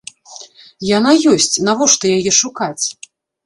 Яна ёсць, навошта яе шукаць?